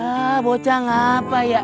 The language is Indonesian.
ah bocah ngapa ya